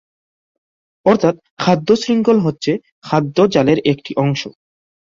অর্থাৎ, খাদ্য শৃঙ্খল হচ্ছে খাদ্য জালের একটি অংশ।